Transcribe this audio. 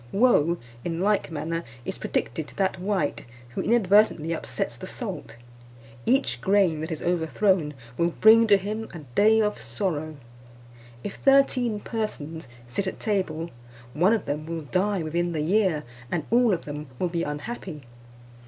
Woe, in like manner, is predicted to that wight who inadvertently upsets the salt; each grain that is overthrown will bring to him a day of sorrow. If thirteen persons sit at table, one of them will die within the year; and all of them will be unhappy.